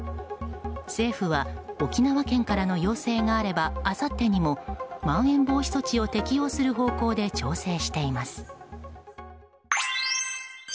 政府は沖縄県からの要請があればあさってにもまん延防止措置を適用する方向で調整しています。